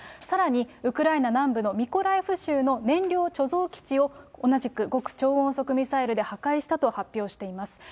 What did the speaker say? さらにウクライナ南部のミコライフ州の燃料貯蔵基地を、同じく極超音速ミサイルで破壊したと発表しています。